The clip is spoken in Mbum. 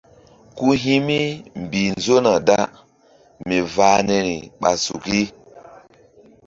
Ku hi̧ mi mbih nzona da mi vah niri ɓa suki.